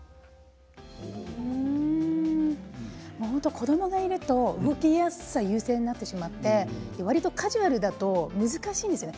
子どもがいると動きやすさ優先になってしまってわりとカジュアルだと難しいんですよね。